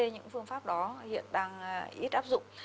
những phương pháp đó hiện đang ít áp dụng